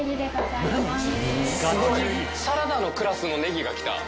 すごい！サラダのクラスのネギが来た。